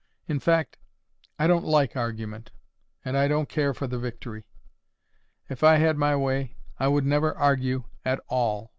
In fact, I don't like argument, and I don't care for the victory. If I had my way, I would never argue at all.